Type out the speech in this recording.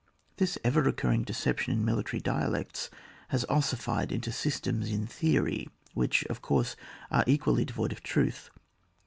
This ever recur ring deception in military dialectics has ossSled into systems in theory, which, of course, are equally devoid of truth.